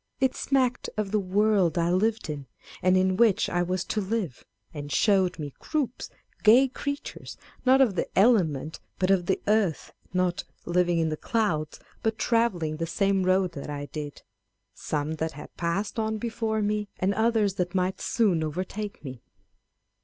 It smacked of the world I lived in, and in which I was to live â€" and showed me groups, " gay creatures " not " of the element," but of the earth ; not " living in the clouds," but travelling the same road that I did ; â€" some that had passed on before me, and others that might soon overtake me.